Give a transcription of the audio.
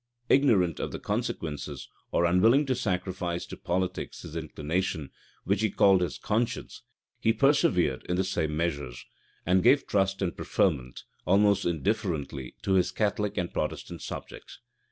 Ignorant of the consequences, or unwilling to sacrifice to politics his inclination, which he called his conscience, he persevered in the same measures, and gave trust and preferment, almost indifferently, to his Catholic and Protestant subjects.